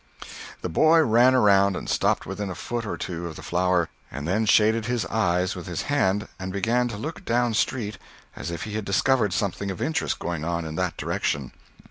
The boy ran around and stopped within a foot or two of the flower, and then shaded his eyes with his hand and began to look down street as if he had discovered something of interest going on in that direction.